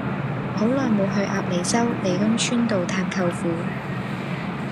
好耐無去鴨脷洲利東邨道探舅父